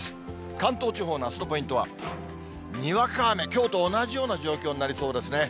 関東地方のあすのポイントは、にわか雨、きょうと同じような状況になりそうですね。